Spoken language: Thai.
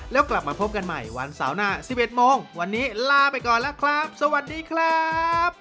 แล้วกลับมาพบกันใหม่วันเสาร์หน้า๑๑โมงวันนี้ลาไปก่อนแล้วครับสวัสดีครับ